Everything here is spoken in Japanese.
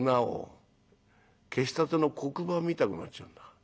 消したての黒板みたくなっちゃうんだ。